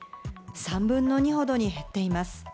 ３分の２ほどに減っています。